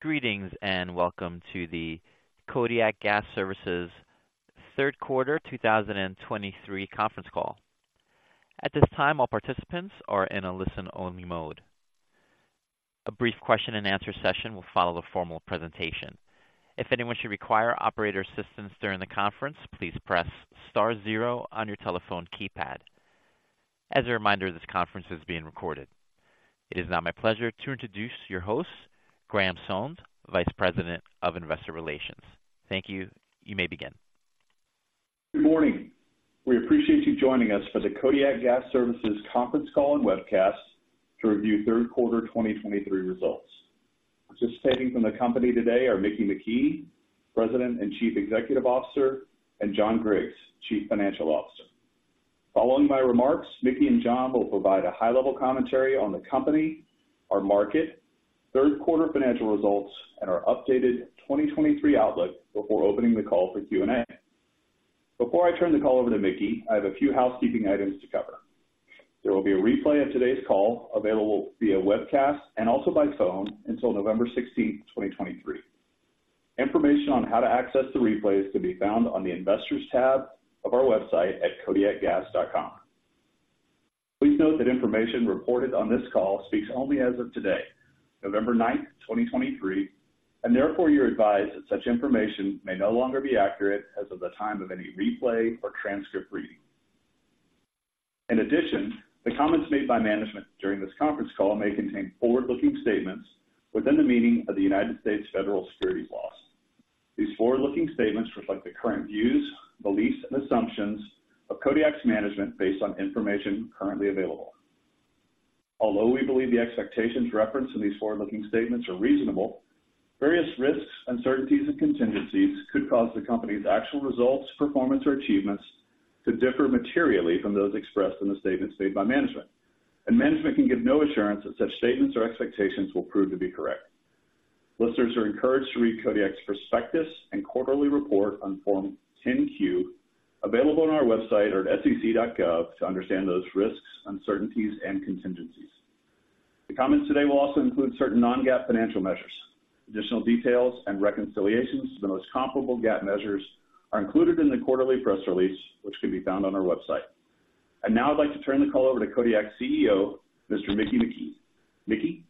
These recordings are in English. Greetings, and welcome to the Kodiak Gas Services Q3 2023 conference call. At this time, all participants are in a listen-only mode. A brief question-and-answer session will follow the formal presentation. If anyone should require operator assistance during the conference, please press star zero on your telephone keypad. As a reminder, this conference is being recorded. It is now my pleasure to introduce your host, Graham Sones, Vice President of Investor Relations. Thank you. You may begin. Good morning! We appreciate you joining us for the Kodiak Gas Services conference call and webcast to review Q3 2023 results. Participating from the company today are Mickey McKee, President and Chief Executive Officer, and John Griggs, Chief Financial Officer. Following my remarks, Mickey and John will provide a high-level commentary on the company, our market, Q3 financial results, and our updated 2023 outlook before opening the call for Q&A. Before I turn the call over to Mickey, I have a few housekeeping items to cover. There will be a replay of today's call available via webcast and also by phone until November 16, 2023. Information on how to access the replay is to be found on the Investors tab of our website at kodiakgas.com. Please note that information reported on this call speaks only as of today, November 9, 2023, and therefore you're advised that such information may no longer be accurate as of the time of any replay or transcript reading. In addition, the comments made by management during this conference call may contain forward-looking statements within the meaning of the United States federal securities laws. These forward-looking statements reflect the current views, beliefs, and assumptions of Kodiak's management based on information currently available. Although we believe the expectations referenced in these forward-looking statements are reasonable, various risks, uncertainties, and contingencies could cause the company's actual results, performance, or achievements to differ materially from those expressed in the statements made by management. Management can give no assurance that such statements or expectations will prove to be correct. Listeners are encouraged to read Kodiak's prospectus and quarterly report on Form 10-Q, available on our website or at sec.gov, to understand those risks, uncertainties and contingencies. The comments today will also include certain non-GAAP financial measures. Additional details and reconciliations to the most comparable GAAP measures are included in the quarterly press release, which can be found on our website. Now I'd like to turn the call over to Kodiak's CEO, Mr. Mickey McKee. Mickey?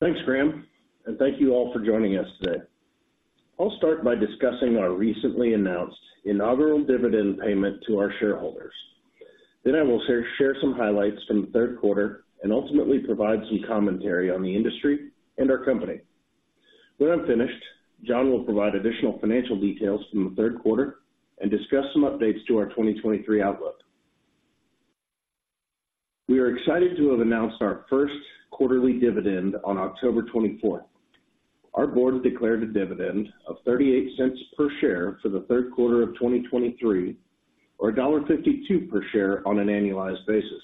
Thanks, Graham, and thank you all for joining us today. I'll start by discussing our recently announced inaugural dividend payment to our shareholders. Then I will share some highlights from the Q3 and ultimately provide some commentary on the industry and our company. When I'm finished, John will provide additional financial details from the Q3 and discuss some updates to our 2023 outlook. We are excited to have announced our first quarterly dividend on October 24. Our board declared a dividend of $0.38 per share for the Q3 of 2023, or $1.52 per share on an annualized basis.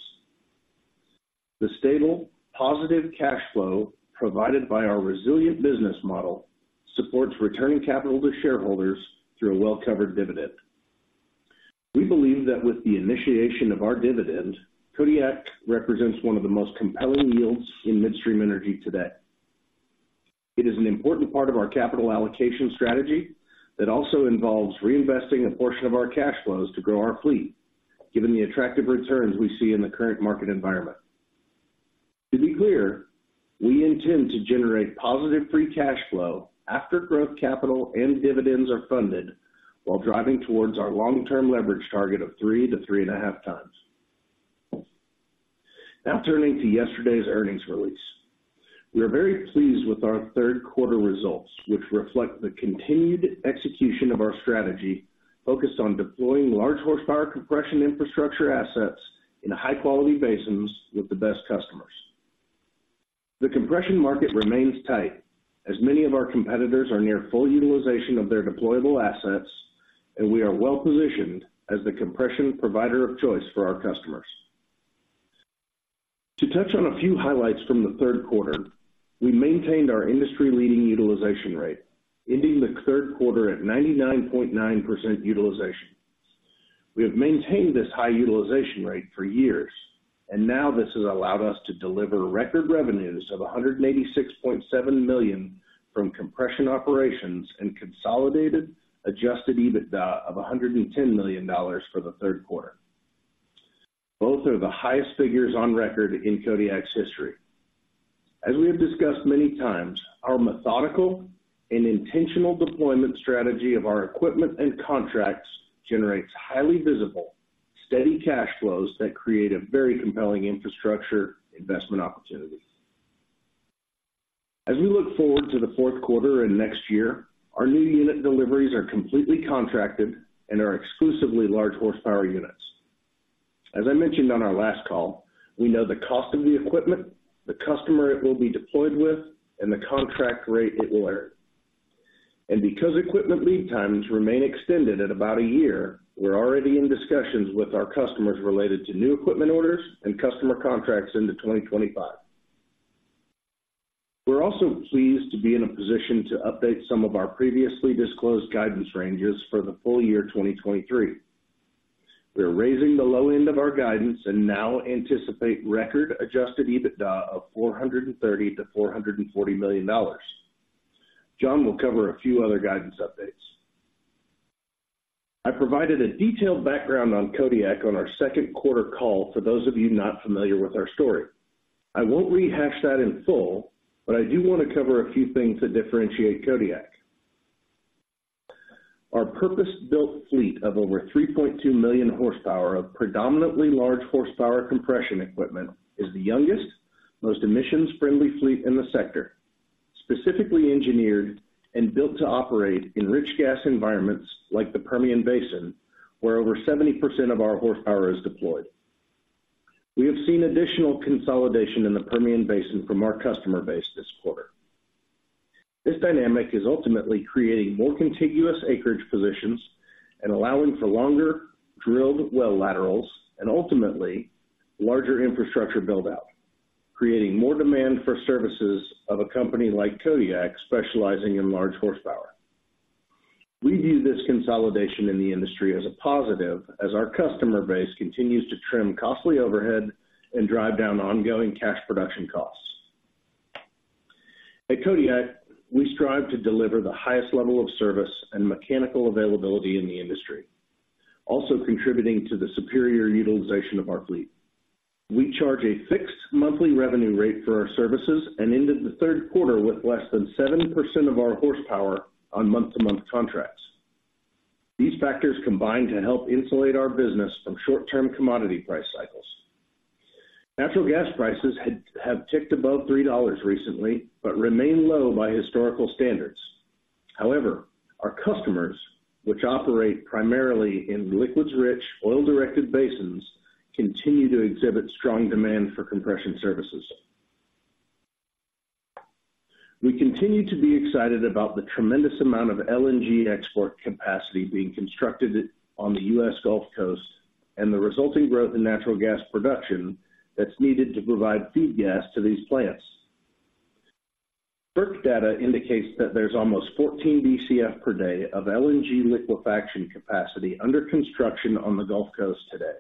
The stable, positive cash flow provided by our resilient business model supports returning capital to shareholders through a well-covered dividend. We believe that with the initiation of our dividend, Kodiak represents one of the most compelling yields in midstream energy today. It is an important part of our capital allocation strategy that also involves reinvesting a portion of our cash flows to grow our fleet, given the attractive returns we see in the current market environment. To be clear, we intend to generate positive free cash flow after growth capital, and dividends are funded, while driving towards our long-term leverage target of 3x-3.5x. Now, turning to yesterday's earnings release. We are very pleased with our Q3 results, which reflect the continued execution of our strategy focused on deploying large horsepower compression infrastructure assets in high-quality basins with the best customers. The compression market remains tight, as many of our competitors are near full utilization of their deployable assets, and we are well-positioned as the compression provider of choice for our customers. To touch on a few highlights from the Q3, we maintained our industry-leading utilization rate, ending the Q3 at 99.9% utilization. We have maintained this high utilization rate for years, and now this has allowed us to deliver record revenues of $186.7 million from compression operations and consolidated Adjusted EBITDA of $110 million for the Q3. Both are the highest figures on record in Kodiak's history. As we have discussed many times, our methodical and intentional deployment strategy of our equipment and contracts generates highly visible, steady cash flows that create a very compelling infrastructure investment opportunity. As we look forward to the Q3 and next year, our new unit deliveries are completely contracted and are exclusively large horsepower units. As I mentioned on our last call, we know the cost of the equipment, the customer it will be deployed with, and the contract rate it will earn. Because equipment lead times remain extended at about a year, we're already in discussions with our customers related to new equipment orders and customer contracts into 2025. We're also pleased to be in a position to update some of our previously disclosed guidance ranges for the full year 2023. We are raising the low end of our guidance and now anticipate record Adjusted EBITDA of $430 million-$440 million. John will cover a few other guidance updates. I provided a detailed background on Kodiak on our Q3 call for those of you not familiar with our story. I won't rehash that in full, but I do want to cover a few things that differentiate Kodiak. Our purpose-built fleet of over 3.2 million horsepower of predominantly large horsepower compression equipment is the youngest, most emissions-friendly fleet in the sector, specifically engineered and built to operate in rich gas environments like the Permian Basin, where over 70% of our horsepower is deployed. We have seen additional consolidation in the Permian Basin from our customer base this quarter. This dynamic is ultimately creating more contiguous acreage positions and allowing for longer drilled well laterals and ultimately, larger infrastructure build-out, creating more demand for services of a company like Kodiak, specializing in large horsepower. We view this consolidation in the industry as a positive, as our customer base continues to trim costly overhead and drive down ongoing cash production costs. At Kodiak, we strive to deliver the highest level of service and mechanical availability in the industry, also contributing to the superior utilization of our fleet. We charge a fixed monthly revenue rate for our services and ended the Q3 with less than 7% of our horsepower on month-to-month contracts. These factors combine to help insulate our business from short-term commodity price cycles. Natural gas prices have ticked above $3 recently, but remain low by historical standards. However, our customers, which operate primarily in liquids-rich, oil-directed basins, continue to exhibit strong demand for compression services. We continue to be excited about the tremendous amount of LNG export capacity being constructed on the U.S. Gulf Coast and the resulting growth in natural gas production that's needed to provide feed gas to these plants. FERC data indicates that there's almost 14 BCF per day of LNG liquefaction capacity under construction on the Gulf Coast today,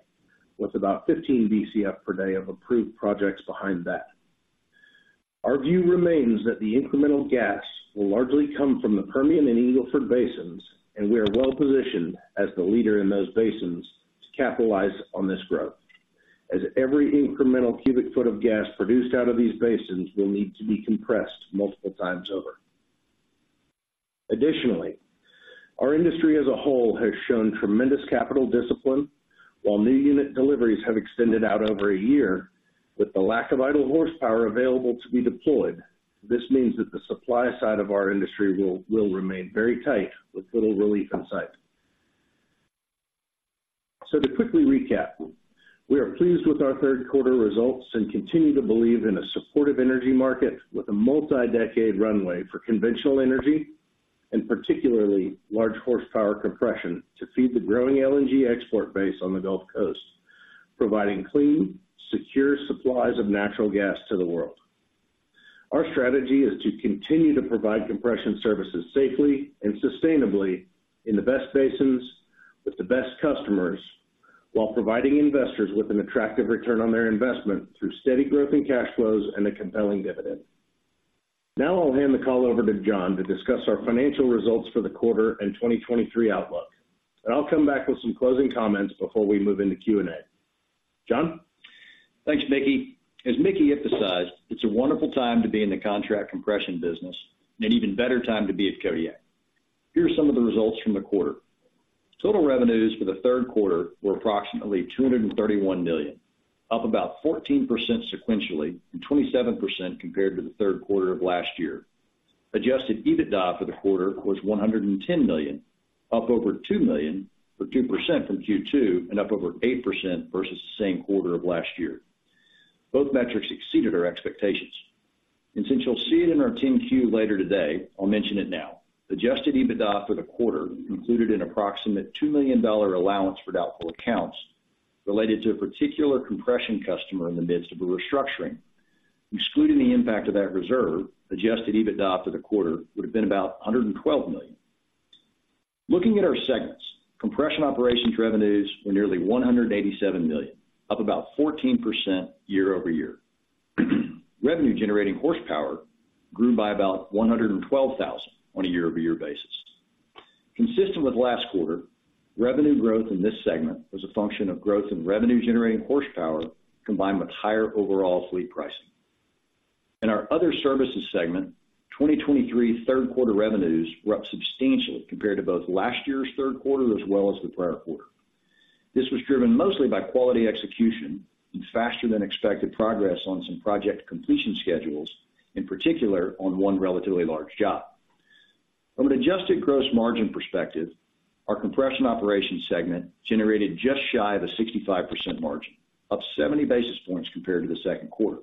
with about 15 BCF per day of approved projects behind that. Our view remains that the incremental gas will largely come from the Permian and Eagle Ford basins, and we are well positioned as the leader in those basins to capitalize on this growth, as every incremental cubic foot of gas produced out of these basins will need to be compressed multiple times over. Additionally, our industry as a whole has shown tremendous capital discipline, while new unit deliveries have extended out over a year with the lack of idle horsepower available to be deployed. This means that the supply side of our industry will remain very tight, with little relief in sight. So to quickly recap, we are pleased with our Q3 results and continue to believe in a supportive energy market with a multi-decade runway for conventional energy and particularly large horsepower compression to feed the growing LNG export base on the Gulf Coast, providing clean, secure supplies of natural gas to the world. Our strategy is to continue to provide compression services safely and sustainably in the best basins with the best customers, while providing investors with an attractive return on their investment through steady growth in cash flows and a compelling dividend. Now I'll hand the call over to John to discuss our financial results for the quarter and 2023 outlook, and I'll come back with some closing comments before we move into Q&A. John? Thanks, Mickey. As Mickey emphasized, it's a wonderful time to be in the contract compression business and an even better time to be at Kodiak. Here are some of the results from the quarter. Total revenues for the Q3 were approximately $231 million, up about 14% sequentially, and 27% compared to the Q3 of last year. Adjusted EBITDA for the quarter was $110 million, up over $2 million, or 2% from Q2, and up over 8% versus the same quarter of last year. Both metrics exceeded our expectations. And since you'll see it in our 10-Q later today, I'll mention it now: Adjusted EBITDA for the quarter included an approximate $2 million allowance for doubtful accounts related to a particular compression customer in the midst of a restructuring. Excluding the impact of that reserve, Adjusted EBITDA for the quarter would have been about $112 million. Looking at our segments, compression operations revenues were nearly $187 million, up about 14% year-over-year. Revenue Generating Horsepower grew by about 112,000 on a year-over-year basis. Consistent with last quarter, revenue growth in this segment was a function of growth in revenue-generating horsepower, combined with higher overall fleet pricing. In our other services segment, 2023 Q3 revenues were up substantially compared to both last year's Q3 as well as the prior quarter. This was driven mostly by quality execution and faster than expected progress on some project completion schedules, in particular, on one relatively large job. From an Adjusted Gross Margin perspective, our compression operations segment generated just shy of a 65% margin, up 70 basis points compared to the Q2.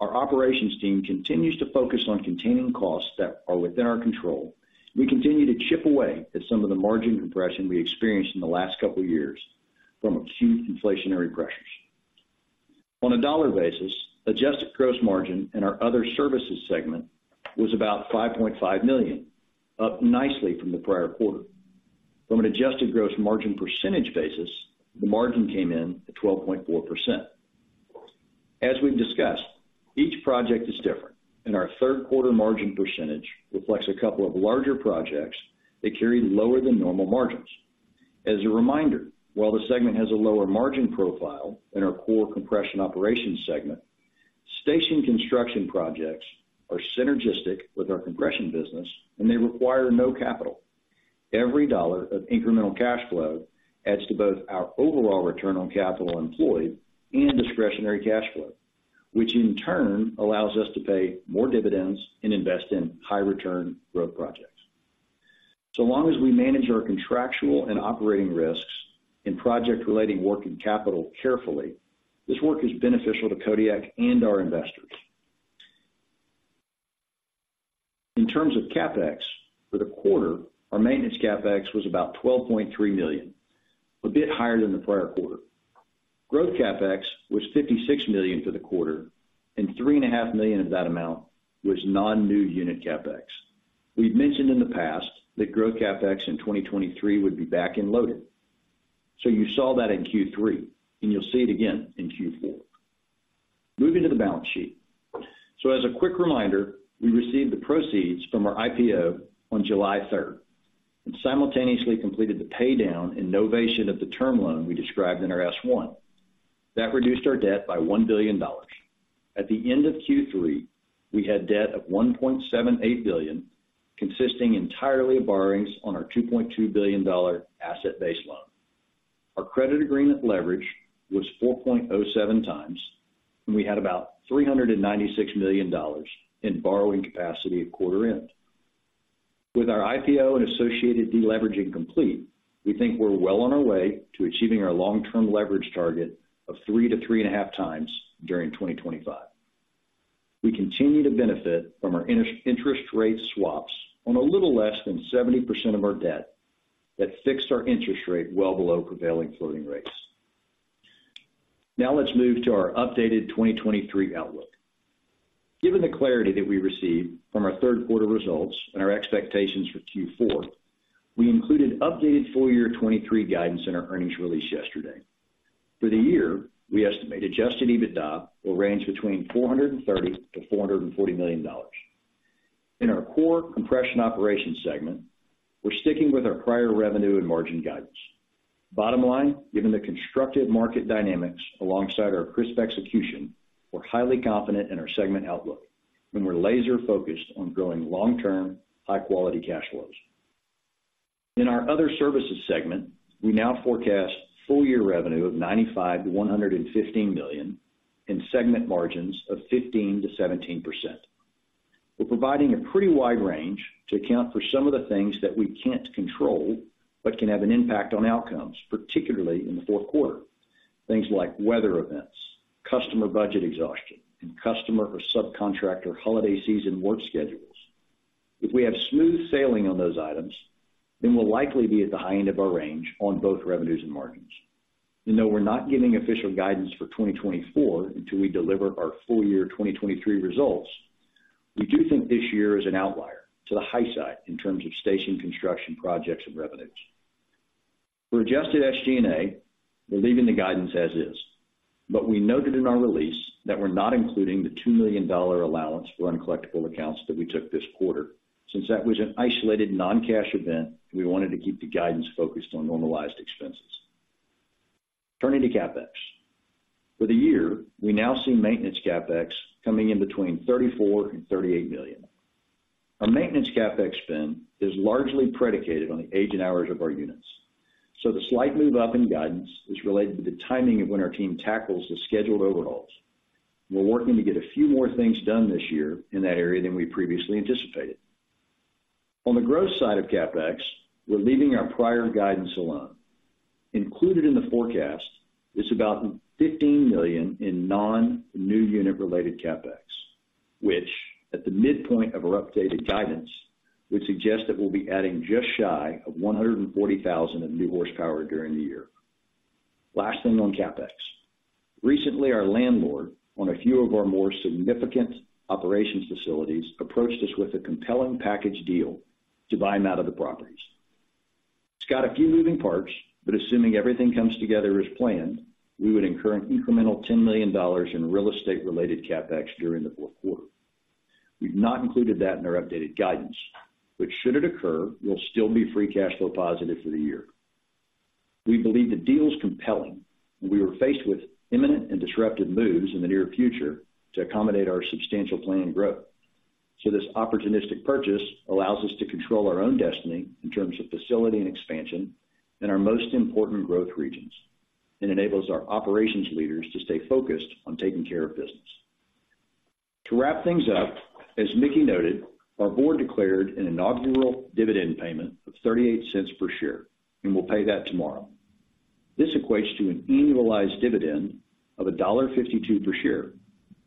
Our operations team continues to focus on containing costs that are within our control. We continue to chip away at some of the margin compression we experienced in the last couple of years from acute inflationary pressures. On a dollar basis, Adjusted Gross Margin in our other services segment was about $5.5 million, up nicely from the prior quarter. From an Adjusted Gross Margin percentage basis, the margin came in at 12.4%. As we've discussed, each project is different, and our Q3 margin percentage reflects a couple of larger projects that carried lower than normal margins. As a reminder, while the segment has a lower margin profile than our core compression operations segment, station construction projects are synergistic with our compression business, and they require no capital. Every dollar of incremental cash flow adds to both our overall return on capital employed and discretionary cash flow, which in turn allows us to pay more dividends and invest in high return growth projects. So long as we manage our contractual and operating risks and project-related working capital carefully, this work is beneficial to Kodiak and our investors. In terms of CapEx, for the quarter, our maintenance CapEx was about $12.3 million, a bit higher than the prior quarter. Growth CapEx was $56 million for the quarter, and $3.5 million of that amount was non-new unit CapEx. We've mentioned in the past that growth CapEx in 2023 would be back-end loaded. So you saw that in Q3, and you'll see it again in Q4. Moving to the balance sheet. So as a quick reminder, we received the proceeds from our IPO on July 3rd and simultaneously completed the paydown and novation of the term loan we described in our S-1. That reduced our debt by $1 billion. At the end of Q3, we had debt of $1.78 billion, consisting entirely of borrowings on our $2.2 billion asset-based loan. Our credit agreement leverage was 4.07x, and we had about $396 million in borrowing capacity at quarter end. With our IPO and associated deleveraging complete, we think we're well on our way to achieving our long-term leverage target of 3-3.5x during 2025. We continue to benefit from our interest rate swaps on a little less than 70% of our debt that fixed our interest rate well below prevailing floating rates. Now, let's move to our updated 2023 outlook. Given the clarity that we received from our Q3 results and our expectations for Q4, we included updated full year 2023 guidance in our earnings release yesterday. For the year, we estimate Adjusted EBITDA will range between $430 million-$440 million. In our core compression operations segment, we're sticking with our prior revenue and margin guidance. Bottom line, given the constructive market dynamics alongside our crisp execution, we're highly confident in our segment outlook, and we're laser focused on growing long-term, high-quality cash flows. In our other services segment, we now forecast full-year revenue of $95-$115 million, and segment margins of 15%-17%. We're providing a pretty wide range to account for some of the things that we can't control, but can have an impact on outcomes, particularly in the Q4. Things like weather events, customer budget exhaustion, and customer or subcontractor holiday season work schedules. If we have smooth sailing on those items, then we'll likely be at the high end of our range on both revenues and margins. Though we're not giving official guidance for 2024 until we deliver our full year 2023 results, we do think this year is an outlier to the high side in terms of station construction projects and revenues. For Adjusted SG&A, we're leaving the guidance as is, but we noted in our release that we're not including the $2 million allowance for uncollectible accounts that we took this quarter. Since that was an isolated non-cash event, we wanted to keep the guidance focused on normalized expenses. Turning to CapEx. For the year, we now see maintenance CapEx coming in between $34 million and $38 million. Our maintenance CapEx spend is largely predicated on the age and hours of our units, so the slight move up in guidance is related to the timing of when our team tackles the scheduled overhauls. We're working to get a few more things done this year in that area than we previously anticipated. On the growth side of CapEx, we're leaving our prior guidance alone. Included in the forecast is about $15 million in non-new unit-related CapEx, which, at the midpoint of our updated guidance, would suggest that we'll be adding just shy of 140,000 of new horsepower during the year. Last thing on CapEx. Recently, our landlord on a few of our more significant operations facilities, approached us with a compelling package deal to buy him out of the properties. It's got a few moving parts, but assuming everything comes together as planned, we would incur an incremental $10 million in real estate-related CapEx during the Q4. We've not included that in our updated guidance, but should it occur, we'll still be free cash flow positive for the year. We believe the deal is compelling, and we were faced with imminent and disruptive moves in the near future to accommodate our substantial planned growth. This opportunistic purchase allows us to control our own destiny in terms of facility and expansion in our most important growth regions and enables our operations leaders to stay focused on taking care of business. To wrap things up, as Mickey noted, our board declared an inaugural dividend payment of $0.38 per share, and we'll pay that tomorrow. This equates to an annualized dividend of $1.52 per share,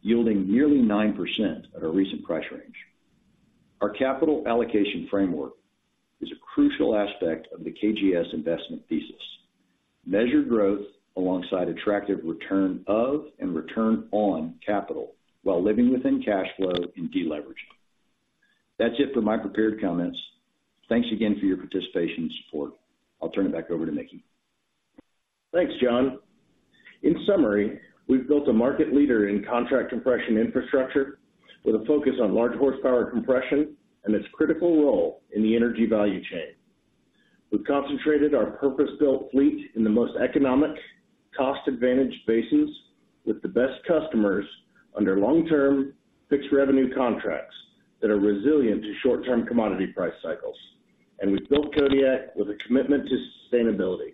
yielding nearly 9% at our recent price range.... Our capital allocation framework is a crucial aspect of the KGS investment thesis. Measured growth alongside attractive return of and return on capital while living within cash flow and deleveraging. That's it for my prepared comments. Thanks again for your participation and support. I'll turn it back over to Mickey. Thanks, John. In summary, we've built a market leader in contract compression infrastructure with a focus on large horsepower compression and its critical role in the energy value chain. We've concentrated our purpose-built fleet in the most economic, cost-advantaged basins with the best customers under long-term fixed revenue contracts that are resilient to short-term commodity price cycles, and we've built Kodiak with a commitment to sustainability.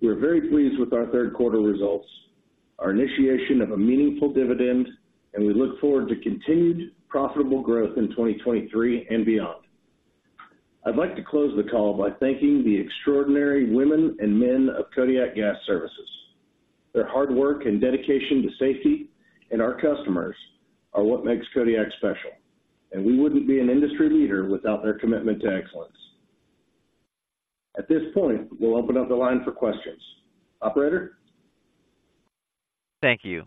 We're very pleased with our Q3 results, our initiation of a meaningful dividend, and we look forward to continued profitable growth in 2023 and beyond. I'd like to close the call by thanking the extraordinary women and men of Kodiak Gas Services. Their hard work and dedication to safety and our customers are what makes Kodiak special, and we wouldn't be an industry leader without their commitment to excellence. At this point, we'll open up the line for questions. Operator? Thank you.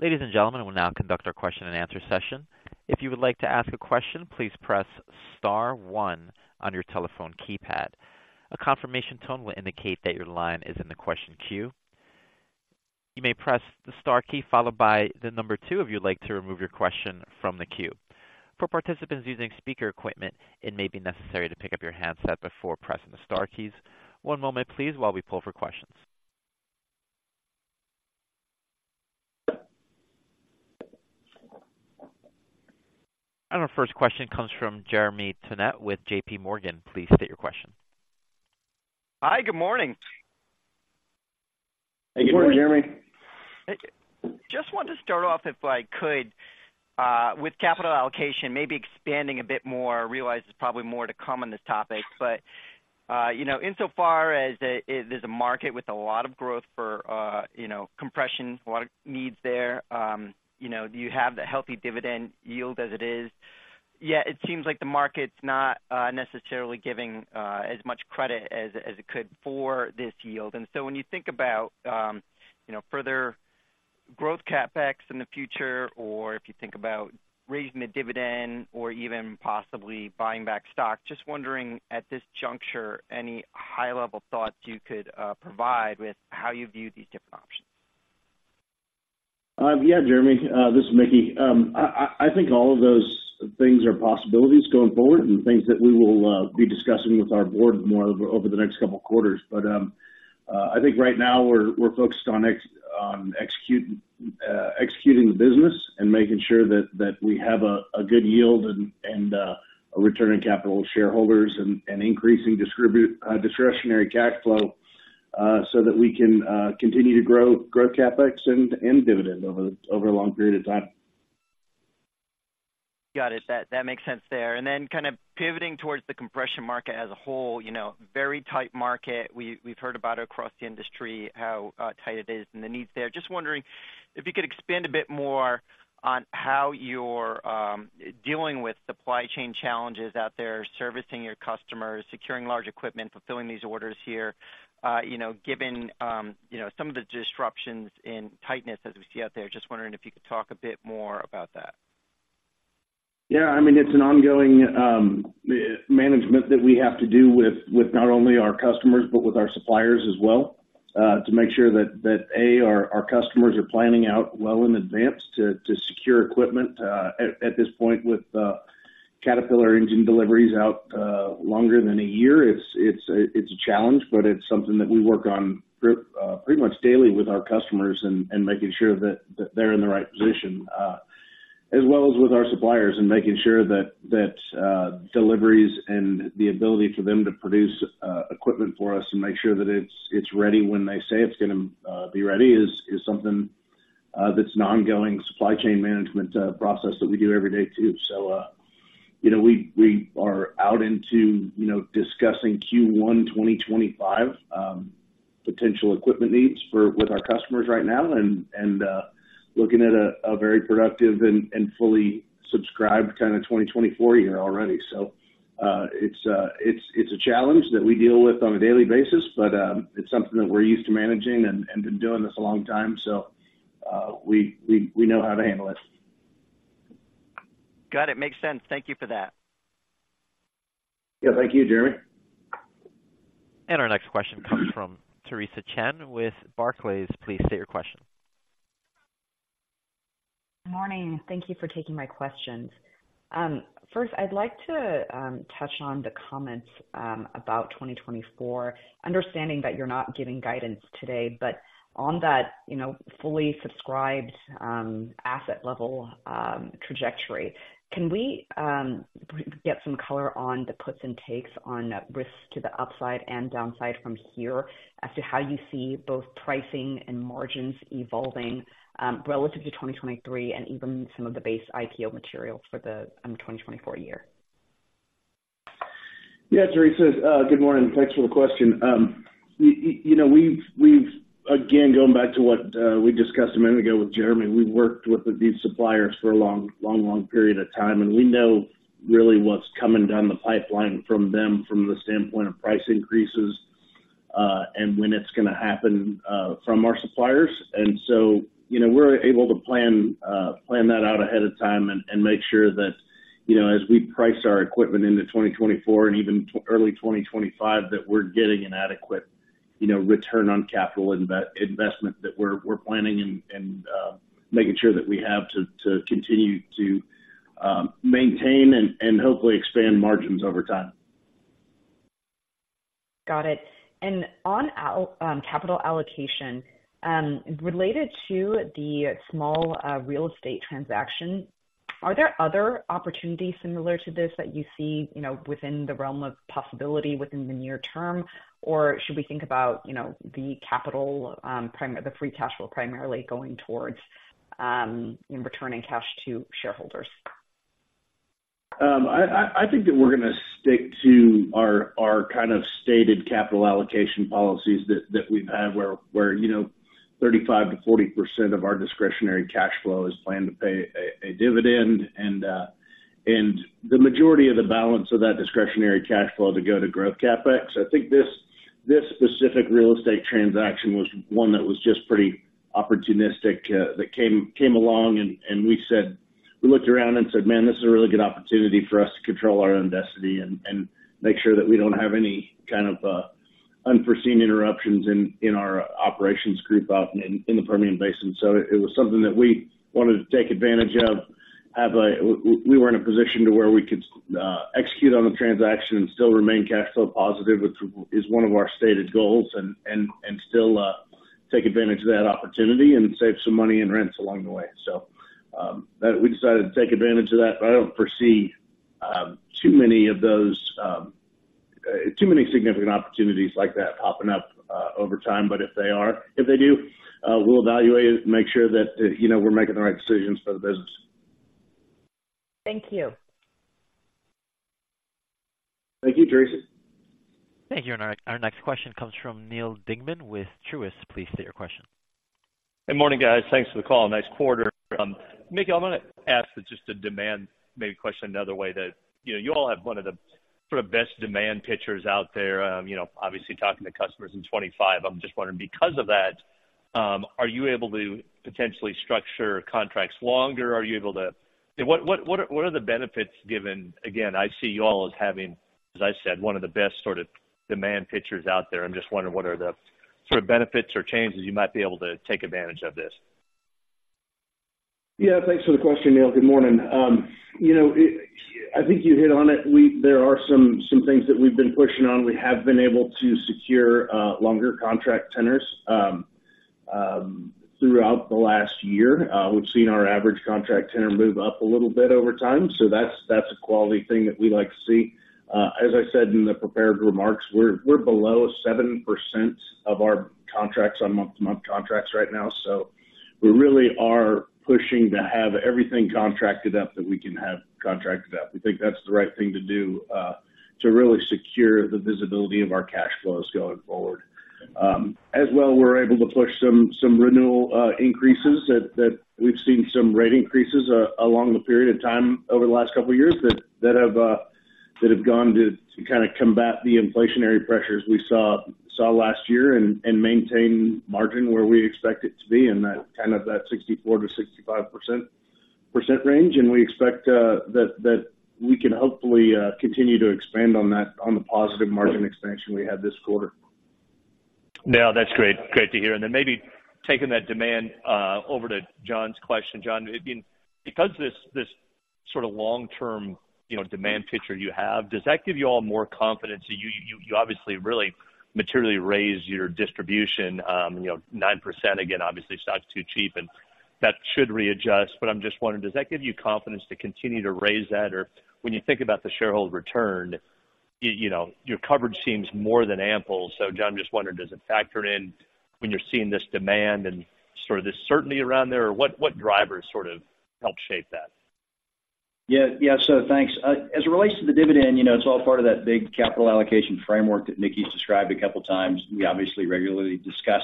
Ladies and gentlemen, we'll now conduct our question-and-answer session. If you would like to ask a question, please press star one on your telephone keypad. A confirmation tone will indicate that your line is in the question queue. You may press the star key followed by the number two if you'd like to remove your question from the queue. For participants using speaker equipment, it may be necessary to pick up your handset before pressing the star keys. One moment, please, while we pull for questions. Our first question comes from Jeremy Tonet with JPMorgan. Please state your question. Hi, good morning. Good morning, Jeremy. Just wanted to start off, if I could, with capital allocation, maybe expanding a bit more. I realize there's probably more to come on this topic, but, you know, insofar as, there's a market with a lot of growth for, you know, compression, a lot of needs there, do you have the healthy dividend yield as it is? Yet it seems like the market's not, necessarily giving, as much credit as, as it could for this yield. And so when you think about, you know, further Growth CapEx in the future, or if you think about raising the dividend or even possibly buying back stock, just wondering, at this juncture, any high-level thoughts you could, provide with how you view these different options? Yeah, Jeremy, this is Mickey. I think all of those things are possibilities going forward and things that we will be discussing with our board more over the next couple of quarters. But, I think right now we're focused on executing the business and making sure that we have a good yield and a return on capital shareholders and increasing distributed discretionary cash flow so that we can continue to grow CapEx and dividend over a long period of time. Got it. That, that makes sense there. And then kind of pivoting towards the compression market as a whole, you know, very tight market. We, we've heard about it across the industry, how tight it is and the needs there. Just wondering if you could expand a bit more on how you're dealing with supply chain challenges out there, servicing your customers, securing large equipment, fulfilling these orders here, you know, given you know, some of the disruptions in tightness as we see out there. Just wondering if you could talk a bit more about that. Yeah, I mean, it's an ongoing management that we have to do with not only our customers, but with our suppliers as well, to make sure that our customers are planning out well in advance to secure equipment. At this point, with Caterpillar engine deliveries out longer than a year, it's a challenge, but it's something that we work on pretty much daily with our customers and making sure that they're in the right position. As well as with our suppliers, and making sure that deliveries and the ability for them to produce equipment for us and make sure that it's ready when they say it's gonna be ready is something that's an ongoing supply chain management process that we do every day, too. You know, we are out into, you know, discussing Q1 2025 potential equipment needs with our customers right now and looking at a very productive and fully subscribed kind of 2024 year already. It's a challenge that we deal with on a daily basis, but it's something that we're used to managing and been doing this a long time, so we know how to handle it. Got it. Makes sense. Thank you for that. Yeah, thank you, Jeremy. Our next question comes from Theresa Chen with Barclays. Please state your question. Morning. Thank you for taking my questions. First, I'd like to touch on the comments about 2024. Understanding that you're not giving guidance today, but on that, you know, fully subscribed asset level trajectory, can we get some color on the puts and takes on risks to the upside and downside from here as to how you see both pricing and margins evolving relative to 2023 and even some of the base IPO material for the 2024 year?... Yeah, Theresa, good morning. Thanks for the question. You know, we've, we've, again, going back to what we discussed a minute ago with Jeremy, we've worked with these suppliers for a long, long, long period of time, and we know really what's coming down the pipeline from them from the standpoint of price increases, and when it's gonna happen from our suppliers. And so, you know, we're able to plan, plan that out ahead of time and, and, make sure that, you know, as we price our equipment into 2024 and even early 2025, that we're getting an adequate, you know, return on capital investment that we're, we're planning and, and, making sure that we have to, to continue to, maintain and, and, hopefully expand margins over time. Got it. And on capital allocation, related to the small real estate transaction, are there other opportunities similar to this that you see, you know, within the realm of possibility within the near term? Or should we think about, you know, the capital, the free cash flow primarily going towards returning cash to shareholders? I think that we're gonna stick to our kind of stated capital allocation policies that we've had, where, you know, 35%-40% of our discretionary cash flow is planned to pay a dividend, and the majority of the balance of that discretionary cash flow to go to growth CapEx. I think this specific real estate transaction was one that was just pretty opportunistic, that came along and we said—we looked around and said, "Man, this is a really good opportunity for us to control our own destiny and make sure that we don't have any kind of unforeseen interruptions in our operations group out in the Permian Basin." So it was something that we wanted to take advantage of, have a... We were in a position to where we could execute on the transaction and still remain cash flow positive, which is one of our stated goals, and still take advantage of that opportunity and save some money in rents along the way. So, that we decided to take advantage of that. I don't foresee too many of those too many significant opportunities like that popping up over time, but if they are, if they do, we'll evaluate it and make sure that you know we're making the right decisions for the business. Thank you. Thank you, Theresa. Thank you. Our next question comes from Neal Dingmann with Truist. Please state your question. Good morning, guys. Thanks for the call. Nice quarter. Mickey, I want to ask just the demand, maybe question another way that, you know, you all have one of the sort of best demand pictures out there. You know, obviously talking to customers in 25. I'm just wondering, because of that, are you able to potentially structure contracts longer? Are you able to... What, what, what are, what are the benefits given? Again, I see you all as having, as I said, one of the best sort of demand pictures out there. I'm just wondering, what are the sort of benefits or changes you might be able to take advantage of this? Yeah, thanks for the question, Neal. Good morning. You know, it, I think you hit on it. We-- there are some things that we've been pushing on. We have been able to secure longer contract tenors. Throughout the last year, we've seen our average contract tenor move up a little bit over time, so that's a quality thing that we like to see. As I said in the prepared remarks, we're below 7% of our contracts on month-to-month contracts right now, so we really are pushing to have everything contracted up that we can have contracted up. We think that's the right thing to do, to really secure the visibility of our cash flows going forward. As well, we're able to push some renewal increases that we've seen some rate increases along the period of time over the last couple of years that have gone to kind of combat the inflationary pressures we saw last year and maintain margin where we expect it to be in that kind of 64%-65% range. And we expect that we can hopefully continue to expand on that, on the positive margin expansion we had this quarter. No, that's great. Great to hear. And then maybe taking that demand over to John's question. John, I mean, because this sort of long-term, you know, demand picture you have, does that give you all more confidence that you obviously really materially raise your distribution? You know, 9%, again, obviously, stock's too cheap, and that should readjust. But I'm just wondering, does that give you confidence to continue to raise that? Or when you think about the shareholder return, you know, your coverage seems more than ample. So John, just wondered, does it factor in when you're seeing this demand and sort of this certainty around there, or what drivers sort of help shape that? Yeah, yeah. So thanks. As it relates to the dividend, you know, it's all part of that big capital allocation framework that Mickey's described a couple times. We obviously regularly discuss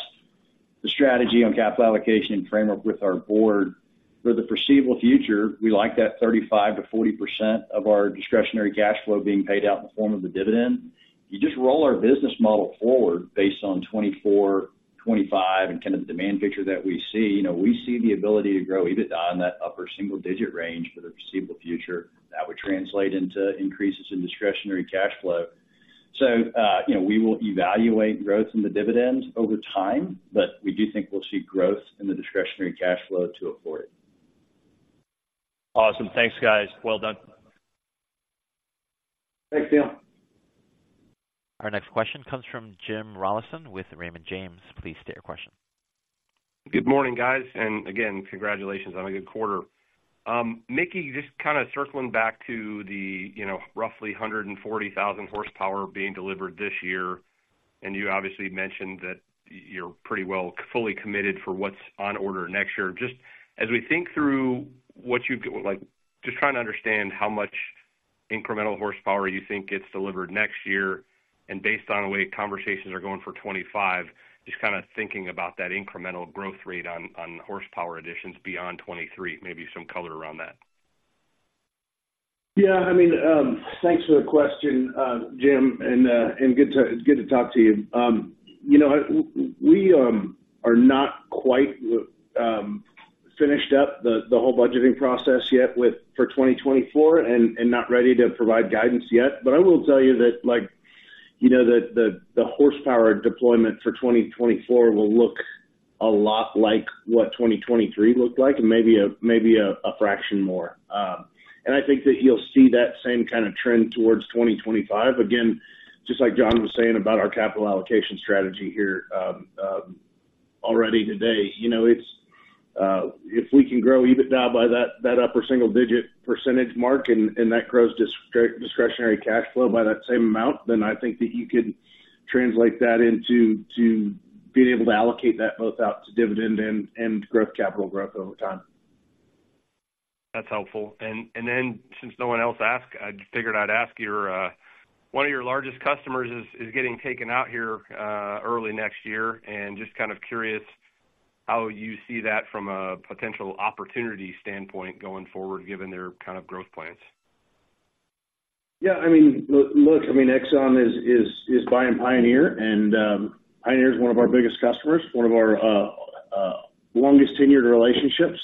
the strategy on capital allocation and framework with our board. For the foreseeable future, we like that 35%-40% of our discretionary cash flow being paid out in the form of the dividend. You just roll our business model forward based on 2024, 2025, and kind of the demand picture that we see, you know, we see the ability to grow EBITDA in that upper single digit range for the foreseeable future. That would translate into increases in discretionary cash flow. So, you know, we will evaluate growth in the dividends over time, but we do think we'll see growth in the discretionary cash flow to afford it. Awesome. Thanks, guys. Well done. Thanks, Neal. Our next question comes from Jim Rollyson with Raymond James. Please state your question. Good morning, guys. And again, congratulations on a good quarter. Mickey, just kind of circling back to the, you know, roughly 140,000 horsepower being delivered this year and you obviously mentioned that you're pretty well fully committed for what's on order next year. Just as we think through what you'd like, just trying to understand how much incremental horsepower you think gets delivered next year, and based on the way conversations are going for 2025, just kinda thinking about that incremental growth rate on, on horsepower additions beyond 2023. Maybe some color around that. Yeah, I mean, thanks for the question, Jim, and good to talk to you. You know, we are not quite finished up the whole budgeting process yet for 2024, and not ready to provide guidance yet. But I will tell you that, like, you know, the horsepower deployment for 2024 will look a lot like what 2023 looked like, and maybe a fraction more. And I think that you'll see that same kind of trend towards 2025. Again, just like John was saying about our capital allocation strategy here, already today. You know, it's if we can grow EBITDA by that upper single-digit percentage mark, and that grows discretionary cash flow by that same amount, then I think that you can translate that into being able to allocate that both out to dividend and growth capital growth over time. That's helpful. And then, since no one else asked, I figured I'd ask you, one of your largest customers is getting taken out here, early next year, and just kind of curious how you see that from a potential opportunity standpoint going forward, given their kind of growth plans. Yeah, I mean, look, Exxon is buying Pioneer, and Pioneer is one of our biggest customers, one of our longest tenured relationships.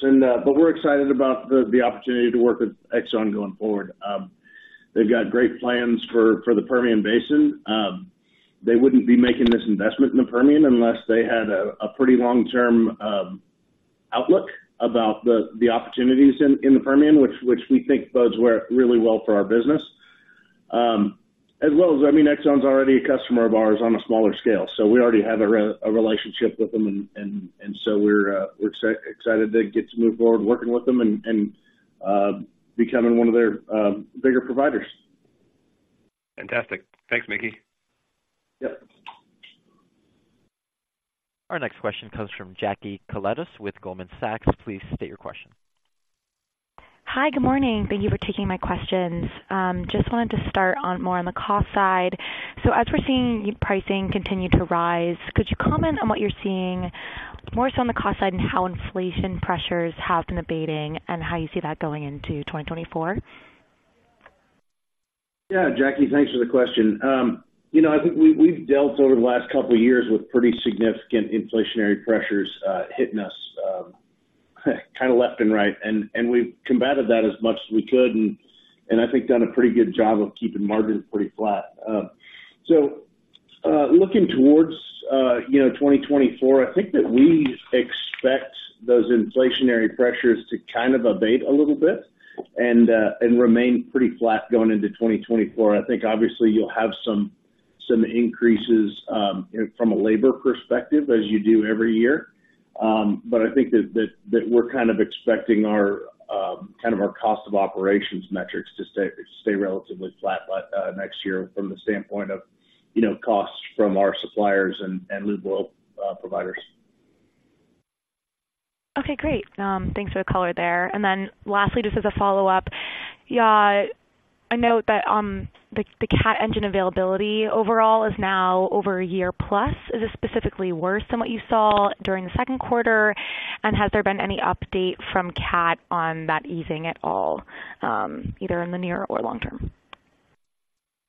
But we're excited about the opportunity to work with Exxon going forward. They've got great plans for the Permian Basin. They wouldn't be making this investment in the Permian unless they had a pretty long-term outlook about the opportunities in the Permian, which we think bodes well, really well for our business. As well as, I mean, Exxon's already a customer of ours on a smaller scale, so we already have a relationship with them. And so we're excited to get to move forward working with them and becoming one of their bigger providers. Fantastic! Thanks, Mickey. Yep. Our next question comes from Jackie Koletas with Goldman Sachs. Please state your question. Hi, good morning. Thank you for taking my questions. Just wanted to start on more on the cost side. As we're seeing pricing continue to rise, could you comment on what you're seeing more so on the cost side and how inflation pressures have been abating, and how you see that going into 2024? Yeah, Jackie, thanks for the question. You know, I think we, we've dealt over the last couple of years with pretty significant inflationary pressures hitting us kind of left and right, and we've combated that as much as we could, and I think done a pretty good job of keeping margins pretty flat. So, looking towards, you know, 2024, I think that we expect those inflationary pressures to kind of abate a little bit and remain pretty flat going into 2024. I think obviously you'll have some increases from a labor perspective, as you do every year. But I think that we're kind of expecting our kind of our cost of operations metrics to stay relatively flat next year from the standpoint of, you know, costs from our suppliers and lube oil providers. Okay, great. Thanks for the color there. And then lastly, just as a follow-up, I note that the Cat engine availability overall is now over a year plus. Is this specifically worse than what you saw during the Q2? And has there been any update from Cat on that easing at all, either in the near or long term?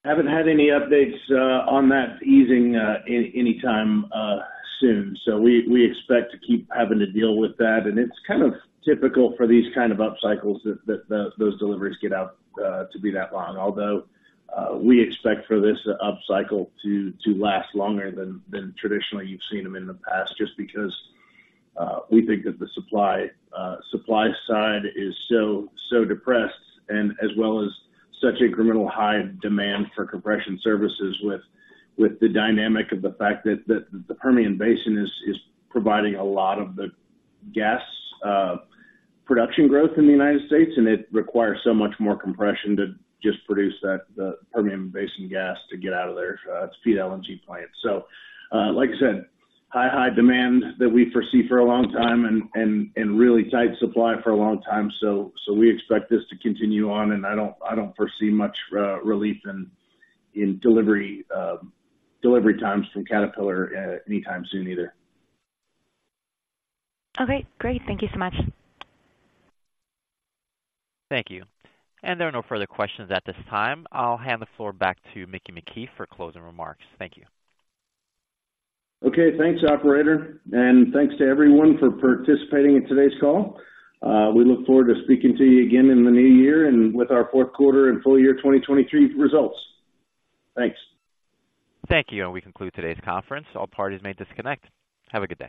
Haven't had any updates on that easing anytime soon. So we expect to keep having to deal with that, and it's kind of typical for these kind of upcycles that those deliveries get out to be that long. Although we expect for this upcycle to last longer than traditionally you've seen them in the past, just because we think that the supply side is so depressed and as well as such incremental high demand for compression services with the dynamic of the fact that the Permian Basin is providing a lot of the gas production growth in the United States, and it requires so much more compression to just produce that the Permian Basin gas to get out of there to feed LNG plants. So, like I said, high, high demand that we foresee for a long time and really tight supply for a long time. So we expect this to continue on, and I don't foresee much relief in delivery times from Caterpillar anytime soon either. Okay, great. Thank you so much. Thank you. There are no further questions at this time. I'll hand the floor back to Mickey McKee for closing remarks. Thank you. Okay, thanks, operator, and thanks to everyone for participating in today's call. We look forward to speaking to you again in the new year and with our Q4 and full year 2023 results. Thanks. Thank you, and we conclude today's conference. All parties may disconnect. Have a good day.